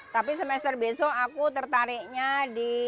tapi semester besok aku tertariknya di